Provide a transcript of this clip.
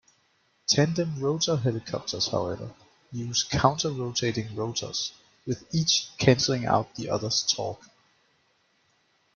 Tandem rotor helicopters, however, use counter-rotating rotors, with each cancelling out the other's torque.